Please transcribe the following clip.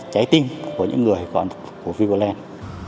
trái tim của những người còn của vivaland